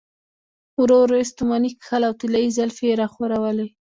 ورو ورو يې ستوماني کښله او طلايې زلفې يې راخورولې.